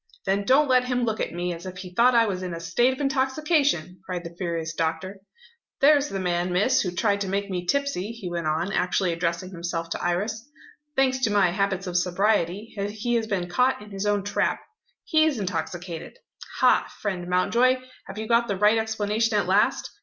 "Then don't let him look at me as if he thought I was in a state of intoxication!" cried the furious doctor. "There's the man, Miss, who tried to make me tipsy," he went on, actually addressing himself to Iris. "Thanks to my habits of sobriety, he has been caught in his own trap. He's intoxicated. Ha, friend Mountjoy, have you got the right explanation at last?